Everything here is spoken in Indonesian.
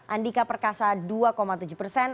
andika perkasa dua tujuh persen